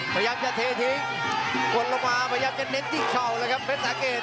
พยายามจะเททิ้งกดลงมาพยายามจะเน้นที่เข่าแล้วครับเพชรสาเกต